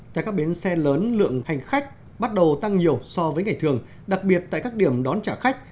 theo các bến xe lớn lượng hành khách bắt đầu tăng nhiều so với ngày thường đặc biệt tại các điểm đón trả khách